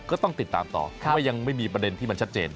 ก็ต้องติดตามต่อเพราะว่ายังไม่มีประเด็นที่มันชัดเจน